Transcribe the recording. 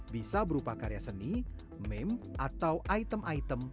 bisa berupa karya seni meme atau item item